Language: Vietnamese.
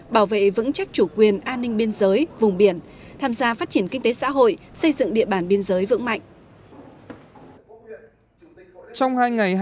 bảo vệ vững chắc chủ quyền an ninh biên giới vùng biển tham gia phát triển kinh tế xã hội xây dựng địa bàn biên giới vững mạnh